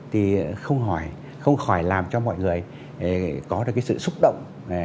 thì không khỏi làm cho mọi người có được cái sự xúc động